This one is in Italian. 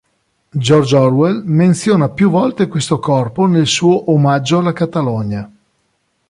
George Orwell menziona più volte questo corpo nel suo "Omaggio alla Catalogna".